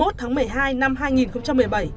tháng một mươi hai năm hai nghìn một mươi bảy